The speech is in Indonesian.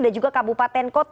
dan juga kampung